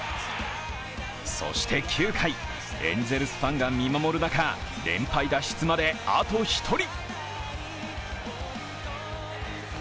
そして９回、エンゼルスファンが見守る中連敗脱出まで、あと１人。